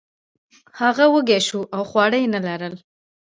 هغه وږی شو او خواړه یې نه لرل.